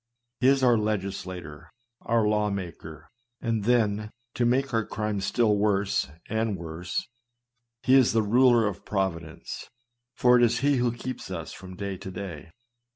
He is our legislator, our law maker ; and then, to make our crime still worse and worse, he is the ruler of providence ; for it is he who keeps us from day to day.